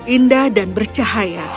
indah dan bercahaya